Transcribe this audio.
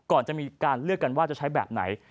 ก่อนจะมีการเลือกกันว่าจะใช้แบบไหน